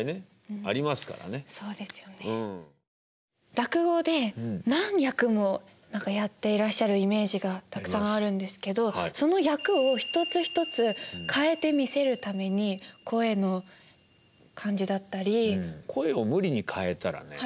落語で何役もやっていらっしゃるイメージがたくさんあるんですけどその役を一つ一つ変えて見せるために声の感じだったり。